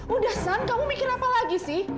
udah sang kamu mikir apa lagi sih